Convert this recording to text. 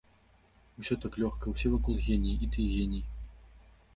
Усё так лёгка, усе вакол геніі, і ты геній.